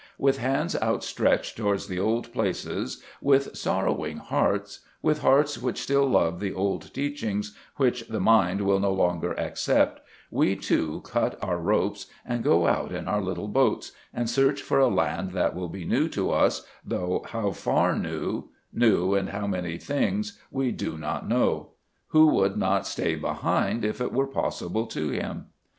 With hands outstretched towards the old places, with sorrowing hearts, with hearts which still love the old teachings which the mind will no longer accept, we, too, cut our ropes, and go out in our little boats, and search for a land that will be new to us, though how far new, new in how many things, we do not know. Who would not stay behind if it were possible to him?